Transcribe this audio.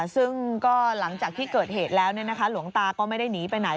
ซึ่งก็หลังจากที่เกิดเหตุแล้วหลวงตาก็ไม่ได้หนีไปไหน